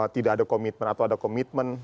tidak ada komitmen atau ada komitmen